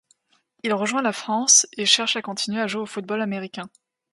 Il rejoint la France et cherche à continuer à jouer au football américain.